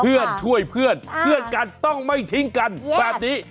เพื่อนช่วยเพื่อนเพื่อนกันต้องไม่ทิ้งกันแบบนี้